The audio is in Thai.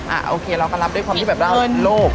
โอเคเราก็รับด้วยความที่แบบเราเป็นลูก